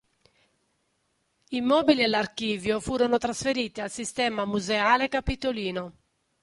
I mobili e l'archivio furono trasferiti al sistema museale capitolino.